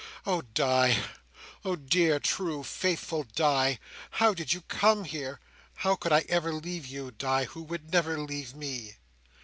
"Oh, Di! oh, dear, true, faithful Di, how did you come here? How could I ever leave you, Di, who would never leave me?"